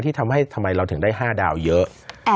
ทำให้ทำไมเราถึงได้๕ดาวเยอะ